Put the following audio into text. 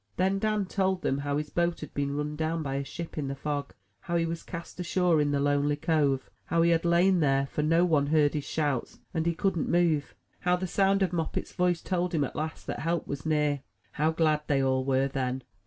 Then Dan told them how his boat had been run down by a ship in the fog; how he was cast ashore in the lonely cove; how he had lain there, for no one heard his shouts, and he couldn't move; how the 93 MY BOOK HOUSE sound of Moppet's voice told him at last that help was near. How glad they all were then